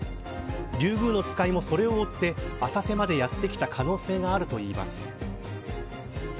リュウグウノツカイもそれを追って浅瀬までやって来た可能性があるといいます。